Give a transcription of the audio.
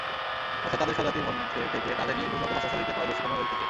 অর্থাৎ তাদের স্বজাতির মধ্য থেকে তাদেরই উন্নত ভাষাশৈলীতে পারদর্শী কোন ব্যক্তিকে।